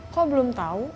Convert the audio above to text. kok belum tau